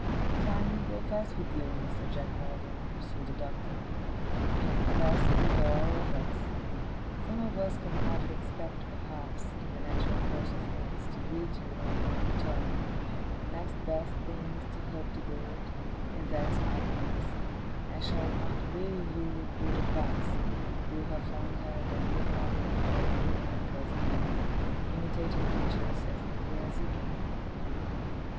'Time will go fast with you, Mr. Jack Maldon,' pursued the Doctor, 'and fast with all of us. Some of us can hardly expect, perhaps, in the natural course of things, to greet you on your return. The next best thing is to hope to do it, and that's my case. I shall not weary you with good advice. You have long had a good model before you, in your cousin Annie. Imitate her virtues as nearly as you can.